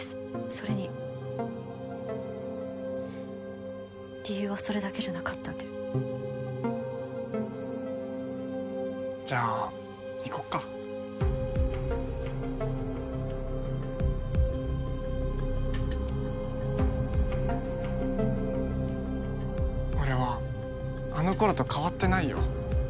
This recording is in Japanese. それに理由はそれだけじゃなかったんでじゃあ行こっか俺はあの頃と変わってないよ